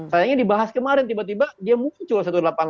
sayangnya dibahas kemarin tiba tiba dia muncul satu ratus delapan puluh